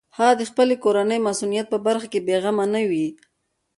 هغه د خپلې کورنۍ مصونیت په برخه کې بېغمه نه وي.